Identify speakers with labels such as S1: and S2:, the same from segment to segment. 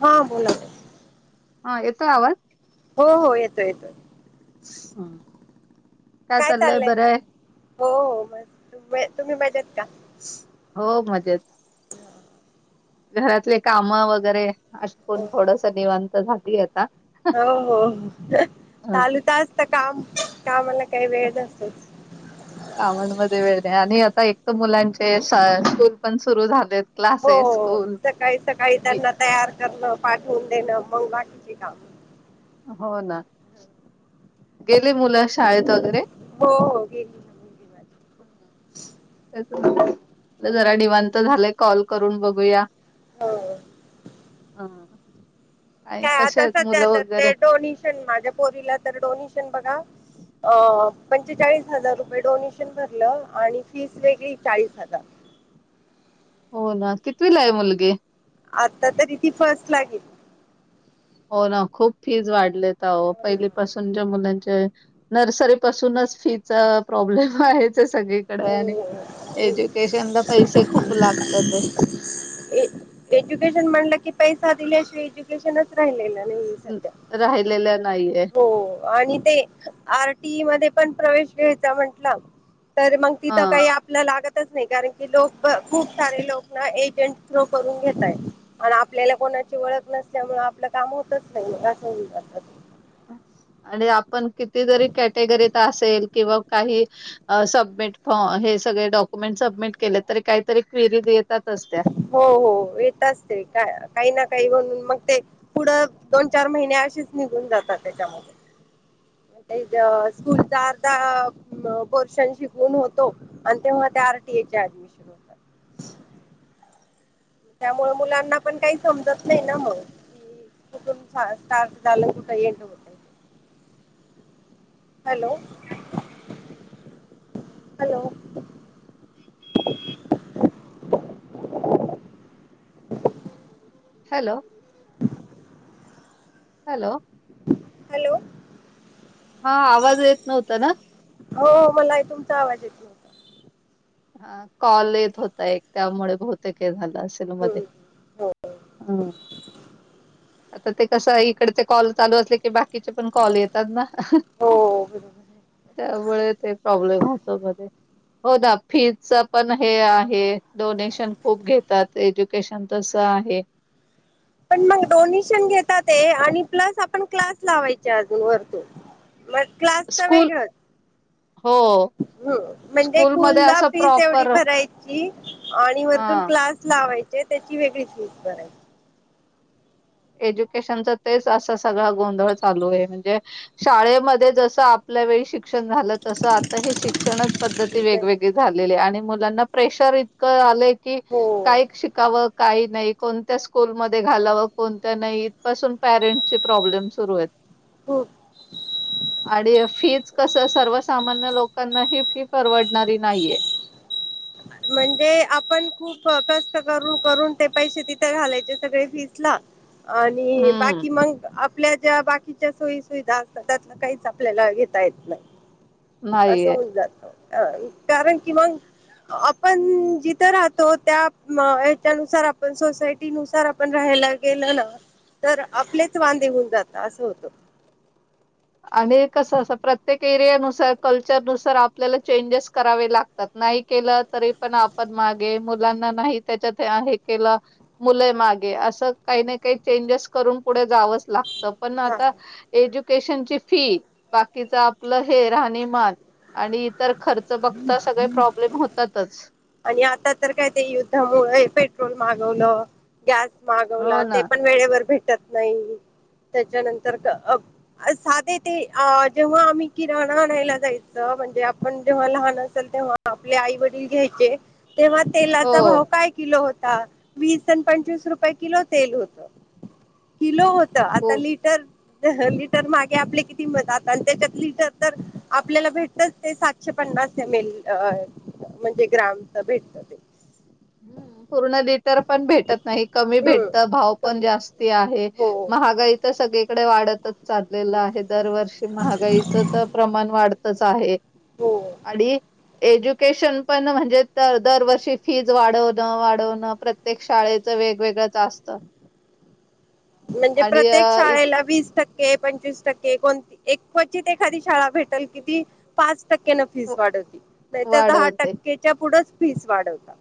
S1: हा बोला-
S2: हा येतोय आवाज?
S1: हो हो येतो येतो
S2: हम्म.
S1: काय चाललंय? हो हो म तुम्ही मजेत का?
S2: हो मजेत.
S1: हा.
S2: घरातले काम वगैरे
S1: हो
S2: अटपुन थोडस निवांत झाली आता.
S1: हो हो चालू असत काम कामाला काही वेळ असतोच.
S2: कामणमध्ये वेळ द्या आणि आता एक तर मुलांचे स्कूल पण सुरू झाले.
S1: हो सकाळी, सकाळी
S2: बी
S1: त्यांना तयार करणं पाठवून देणं मग बाकीचे काम.
S2: हो ना गेले मुल शाळेत वगैरे?
S1: हो हो ना मुलगी माझी
S2: हम् जरा निवांत झालंय कॉल करून बघूया
S1: हो
S2: हा
S1: काय आता सध्याता ते डोनेशन माझ्या पोरीला तर डोनेशन बघा अ पंचेचाळीस हजार रुपये डोनेशन भरलं आणि फीस वेगली चाळीस हजार
S2: हो ना किितवी ला आहे मुलगे
S1: आता तरी ती फर्स्ट लागेल
S2: हो ना खूप फीज वाढले त पहिलीपासून त मुलांच्या नर्सरी पासूनच फीचा प्रॉब्लेम आहे सग आणि एज्युकेशन ला पैसे खूप लागतात
S1: एज्युकेशन म्हणलं की पैसा दिल्याशिवा राहिले नाही
S2: न-
S1: सध्या
S2: राहिलेल्या नाहीये
S1: हो आणि ते आरटीई मध्ये पण प्रवेश घ्यायचा म्हंटलं तर मग
S2: हा
S1: तिथं काही लागतच नाही कारण की लोक खूप सारे लोक एजंट थ्रू करून घेतय आणि आपल्याला कोणाची ओळख नसल्यामुळे आपलं काम होतच नाहीे असं जात
S2: आणि आपण कितीतरी कॅटेगरीत असेल किंवा काही सबमिट फ हे सगळे डॉक्युमेंट सबमिट केले तरी काहीतरी क्विरी देतात असते
S1: हो हो येतच ते का काही ना काही म्हणून मग ते पुढं दोन चार महिने अशीच निघून जातात त्याच्यामध्ये स्कूलचा अर्धा पोर्शन शिकवून होतो आणि तेव ते आरटीए च्या आहेत शरू होतात त्यामुळे मुलांना पण काही समजत नाही ना मण कुठून स्टार्ट झालं कुठं एंड होतं hello. Hello.
S2: Hello. Hello.
S1: Hello.
S2: हा, आवाज येत नव्हता ना?
S1: हो, मला तुमचा आवाज येत
S2: ह कॉल येत होता एक, त्यामुळे बहुतेकय हे झालं असेल मध्ये.
S1: नव्हता हो
S2: ह. आता ते कसं इकडचे कॉल चालू असले की बाकीचे पण कॉल येतात ना.
S1: हो.
S2: त्यामुळे ते प्रॉब्लेम होतो मध्ये. हो द फीजच पण हे आहे, डोनेशन खूप घेतात, एज्युकेशन तसं आहे.
S1: पण मग डोनेशन घेतात ते आणि प्लस आपण क्लास लावायचे अजून वरतून. मग क्लास तर
S2: स्कूल
S1: वेगळंत
S2: हो
S1: ह म्हणजे स्कूल
S2: स्कूलमध्ये
S1: ला
S2: असं
S1: फीस एवढी
S2: प्रॉपर
S1: भरायची आणि वरतून
S2: हा
S1: क्लास लावायचे त्याची वेगळी फीस करायची
S2: एज्युकेशनच तेच असा सगळा गोंधळ चालू आहे म्हणजे शाळेमध्ये जस आपल्या वेळी शिक्षण झालं तसं आता हे शिक्षणच पद्धती
S1: नाही
S2: वेगवेगळी झालेली आहे आणि मुलांना प्रेशर इतकं आलंय कि
S1: हो
S2: काय शिकावं? काय नाही? कोणत्या स्कूलमध्ये घालावं? कोणत्या नाही? इथपसून पॅरेंट्स चे प्रॉब्लेम सुरू आहेत.
S1: हो.
S2: [inaudible] आणि फीज कसं, सर्वसामान्य लोकांना ही फी परवडणारी नाहीये.
S1: म्हणजे आपण खूप कष्ट करून करून ते पैसे तिथे घालायचे सगळे फीजला. आणि
S2: हम्म
S1: बाकी मंग आपल्या ज्या बाकीच्या सोयी सुविधा असतात त्यां काहीच आपल्याला घेता येत नाही. असं
S2: नाहीये.
S1: होत, कारण कि मंग
S2: [inaudible]
S1: जिथं राहतो त्या म त्यानुसार, आपण सोसायटी नुसार आपण राहायला गेल ना तर आपलेच वांदे होऊन जातात असं होतं.
S2: आणि कसं असं प्रत्येक एरियानुसार, कल्चरनुसार आपल्याला चेंजेस करावे लाग त नाही केलं तरी पण आपण मागे, मुलांना नाही त्याच्यात हे केलं मुलं मागे, असं काही ना काही चेंजेस करून पुढे जावंच लागतं. पण आता
S1: होतं.
S2: एज्युकेशनची फी, बाकीच आपलं हे राहणीमान - - आणि इतर खर्च बघता सगळे प्रॉब्लेम होतातच.
S1: आणि आता तर काय ते युद्धामुळे पेट्रोल महागवलं, गॅस
S2: हो
S1: महागवला
S2: ना
S1: ते पण वेळेवर भेटत नाही. त्याच्यानंतर अ साधे ते अ जेव्हा आम्ही किराणा आणायला जायचं म्हणजे आपण जेव्हा लहान असेल तेव्हा आपले आई वडील घ्यायचे, तेव्हा
S2: हो
S1: तेलाचा भाव काय किलो होता? वीस आणि पंचवीस रुपये किलो तेल होत, किलो होत, आता लि
S2: [inaudible]
S1: लिटर मागे आपल्या किती मिळतात आणि त्याच्यात लिटर तर आपल्याला भेटत ते सात एकशे पन्नास एम एल म्हणजे ग्रामच भेटतं
S2: पूर्ण लिटर पण भेटत नाही, कमी
S1: हम्म
S2: भेटत भाव पण
S1: कमी
S2: जास्ती आहे.
S1: हो
S2: महागायी तर सगळीकडे वाढतच चाललेलं आहे दरवर्षी महागाईचं तर प्रमाण वाढत तच आहे
S1: हो
S2: आणि एज्युकेशन पण म्हणजे दरवर्षी फीज वाढवणं, वाढवणं. प्रत्येक शाळेचं वेगवेगळंच असतं.
S1: म्हणजे
S2: आणि
S1: प्रत्येक
S2: अ, इत
S1: शाळेला वीस टक्के पंचवीस टक्के कोणती एक क्वचित एखादी शाळा भेटेल कि ती - - पाच टक्क्यान फीस वाढवती नाहीतर दहा
S2: वाढवते.
S1: टक्केच्या पुढेच फीस वाढवतात.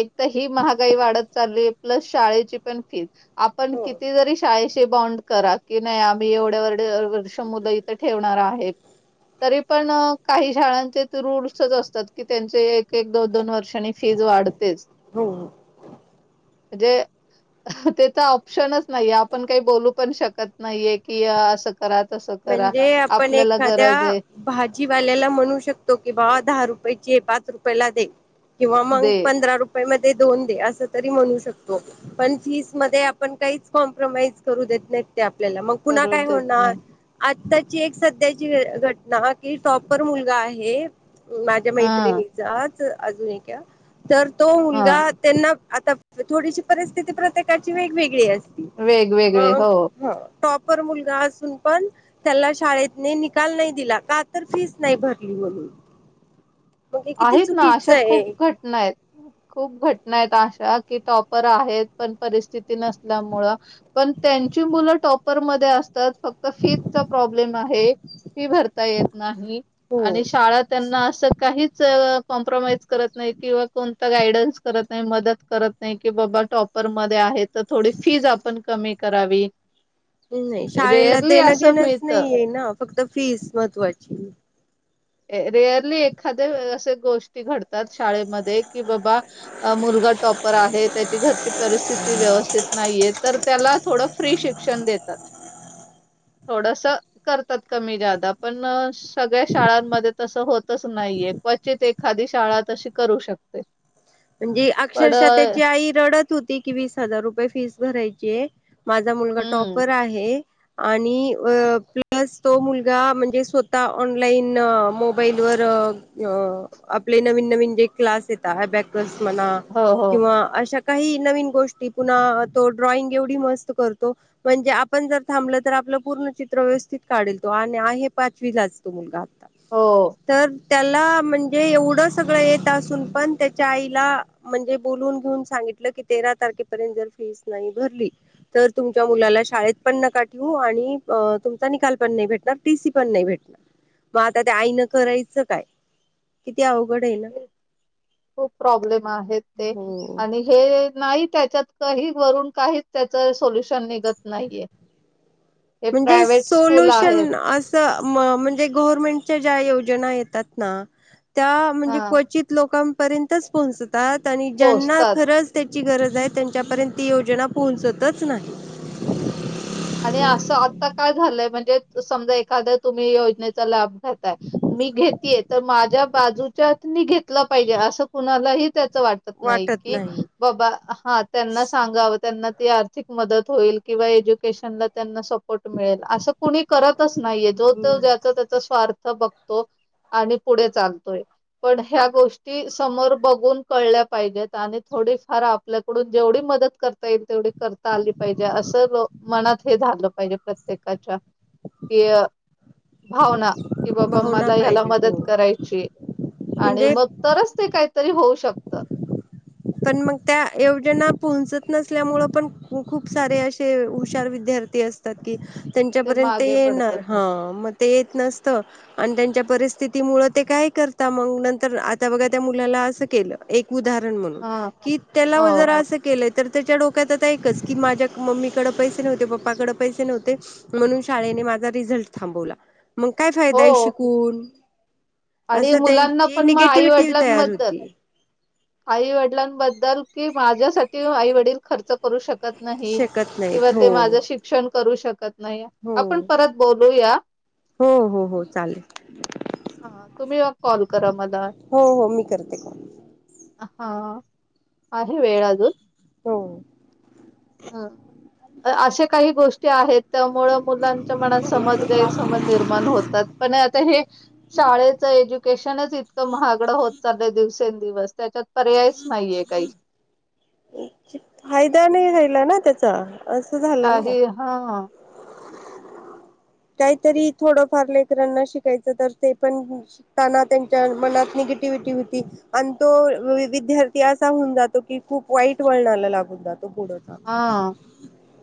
S2: एक तर ही महागाई वाढत चालली. प्लस शाळेची पण फीज, आपण
S1: हो
S2: किती जरी शाळे बॉन्ड करा की नाही आम्ही एवढ्या एवढ्या वर्ष मुलं इथे ठेवणार आहेत. तरी पण काही शाळांचे रूल्सच असतात की त्यांचे एक एक दोन दोन वर्षांनी फीज वा - - ढतेच
S1: हो
S2: म्हणजे ते तर ऑप्शनच नाहीय. आपण काही बोलू पण शकत नाहीये, की असं - - करा तसं करा
S1: म्हणजे आपण
S2: आपल्याला गरज
S1: एखाद्या
S2: हाय.
S1: भाजीवाल्याला म्हणू शकतो की बावा दहा रुपयाची आहे पाच रुपयाला दे. किंवा मग
S2: दे
S1: पंधरा रुपये म दोन दे अस तरी म्हणू शकतो. पण फीस मध्ये आपण काहीच कॉम्प्रोमाइज करू देत नाही ते आपल्याला. मग पुन्हा
S2: करू
S1: काय
S2: देत
S1: होणार?
S2: नाही
S1: आत्ताची एक सध्याची घटना की टॉपर मुलगा आहे. माझ्या
S2: हा
S1: मैत्रिणीचाच, अजून एक, तर तो
S2: हा
S1: मुलगा त्यांना आता थोडीशी परिस्थिती प्रत्येकाची वेगवेगळी अस
S2: वेगवेगळे
S1: मग
S2: हो
S1: टॉपर मुलगा असून पण त्याला शाळेतने निकाल नाही दिला. का तर फीस नाही भरली म्हणून. मग हे किती
S2: आहेत ना.
S1: चुकीचं
S2: अशा
S1: आहे
S2: खूप घटना आहेत. खूप घटना आहेत अशा की टॉपर आहेत पण परिस्थिती नसल्यामुळं पण त्यांची मुलं टॉपर मध्ये असतात फक्त फीजचा प्रॉब्लेम आहे. फी भरता येत नाही आणि
S1: हो
S2: शाळा त्यांना असं काहीच - - कॉम्प्रोमाइज करत नाही किंवा कोणता गायडन्स करत नाही. मदत करत नाही की, बाबा टॉपर मध्ये आहे तर थोडी फीज आपण कमी करावी.
S1: नाही शाळेला
S2: रेअरली
S1: देणं
S2: असं
S1: देेणंच
S2: मिळत
S1: नाहीये ना फक्त फीस महत्त्वाची
S2: रेअरली एखादे असे गोष्टी घडतात शाळेमध्ये कि बाबा मुलगा टॉपर आहे त्याची घरची परिस्थिती व्यवस्थित नाहीये तर त्याला थोडं फ्री शिक्षण देतात थोडस करतात कमी जादा पण सगळ्या शाळां तस होतच नाहीये क्वचित एखादी शाळा तशी करू शकते
S1: म्हणजे
S2: पण
S1: अक्षरशः
S2: अ,
S1: त्याची आई रडत होती की वीस हजार रुपये फीस भरायची माझा मुलगा
S2: हं.
S1: टॉपर आहे आणि प्लस तो मुलगा म्हणजे स्वतः ऑनलाईन मोबाईलवरर अ आपले नवीन नवीन जे क्लास येत ह बॅकर्स म्हणा
S2: हो, हो.
S1: किंवा अशा काही नवीन गोष्टी पुन्हा तो ड्रॉइंग एवढी मस्त करतो म्हणजे आपण जर थांबलं तर आपलं पूर्ण चित्र व्यवस्थित काढेल तो आणि आहे पाचवी लाचतो मुलगा
S2: हो.
S1: तर त्याला म्हणजे एवढं सगळं येत असून पण त्या आईला म्हणजे बोलून घेऊन सांगितलं की तेरा तारखेपर्यंत जर फीस नाही भरली तर तुमच्या मुलाला शाळेत पण नका ठेवू आणि तुमचा निकाल पण नाही भेटणार टीसी पण नाही भेटणार मग आता त्या आईनं करायचं काय किती अवघड आहे ना
S2: ते खूप प्रॉब्लेम आहेत ते
S1: हो
S2: आणि हे नाही त्याच्यात काही वरून काहीच त्याच सोल्युशन निघत नाहीये [inaudible]
S1: म्हणजे
S2: स्कूल आहेत.
S1: सोल्युशन अस म्हणजे गवर्मेंटच्या ज्या योजना येतात ना त्या म्हजे
S2: हां.
S1: क लोकांपर्यंतच पोहोचतात आणि ज्यांना
S2: पोहोचतात
S1: खरंच त्याची गरज आहे त्यांच्यापर्यंत ती योजना पोहोचतच नाही
S2: आणि असं आता काय झालंय म्हणजे समजा एखाद्या तुम्ही योजनेचा लाभ घातताय मी घेतये तर माझ्या बाजूच्या म घेतला पाहिजे असं कुणालाही त्याच वाटत नाही
S1: वाटत
S2: कि
S1: नाही
S2: बाबा हा त्यांना सांगावं त्यांना ते मदत होईल किंवा एज्युकेशनला त्यांना मिल अस कुणी करतच नाहीये जोो ज्याचा त्याचा स्वार्थ बघ आणि पुढे चालतोय पण ह्या गोष्टी समोर बघून कळल्या पाहिजेत आणि थोडी फार आपल्याकडून जेवढी मदत करता येईल तेवढी करता आली पाहिजे असं मनात हे झालं पाहिजे प्रत्येकाच्या कि भावना कि बाबा
S1: भावना
S2: मला या्याला
S1: पाहिजे हो
S2: मदत करायची आणि
S1: म्हणजे
S2: मग तरच ते काहीतरी होऊ शकतं
S1: पण मग त्या योजना पोहचत नसल्यामुळे पण खूप सारे असे हुशार विद्यार्थी असतात कि त्यांच्यापर्यंत ते
S2: मागे
S1: येणार
S2: पडतात
S1: हा मग ते येत नसत आणि त्यांच्या परिस्थिती मुळ ते काय करता मग नंतर आता बघा त्या मुलाला असं केलं एक उदाहरण म्हणून
S2: ह
S1: की त्याला
S2: हो
S1: व जरा असं केलं तर त्याच्या डोक्यात आता एकच की माझ्या मम्मीकडं पैसे नव्हते पप्पाकडं पैसे नव्हते म्हणून शाळेने माझा रिझल्ट थांबवला मग काय फायदा
S2: हो
S1: आहे शिकून
S2: आणि
S1: असं
S2: मुलांना
S1: त्यांची
S2: पण मग आई
S1: निगेटिव्हटी तयार
S2: वडिलांबद्दल
S1: होती
S2: आई वडिलांबद्दल कि माझ्यासाठी आई वडील खर्च करू शकत नाही
S1: शकत
S2: किंवा
S1: नाहीत
S2: ते
S1: हो
S2: माझं शिक्षण करू शकत नाही
S1: हो
S2: आपण परत बोलूया
S1: हो हो हो चालेल.
S2: हा तुम्ही कॉल करा मला
S1: हो हो मी करते कोण
S2: हा आहे वेळाजून
S1: हो
S2: ह अशे काही गोष्टी आहेत त्यामुळे मुलांच्या मनात समाज गैरसमज निर्माण होतात पण आता हे शाळेचं एज्युकेशनच इतकं महागडं होत चाल दिवसेंदिवस त्याच्यात पर्यायच नाहीये काही
S1: फायदा नाही राहिला ना त्याचा असं झालं ना.
S2: काही हा
S1: काहीतरी थोडंफार लेकरांना शिकायचं तर ते पण शताना त्यांच्या मनात निगेटिव्हटी होती आणि तो विद्यार्थी असा होऊन जातो की खूप वाईट वळणाला लागून जातो पुढं जाऊन.
S2: हा